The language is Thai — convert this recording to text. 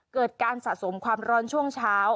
เกิดการสะสมความร้อนช่วงเช้า